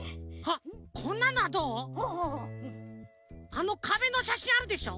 あのかべのしゃしんあるでしょ。